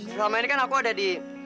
selama ini kan aku ada di